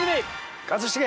一茂。